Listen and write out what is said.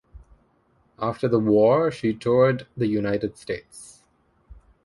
After the War she toured the United States.